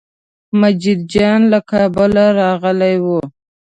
مجید جان له کابله راغلی و.